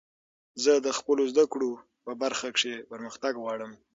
زه د خپلو زدکړو په برخه کښي پرمختګ غواړم.